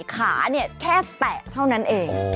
ขาเนี่ยแค่แตะเท่านั้นเอง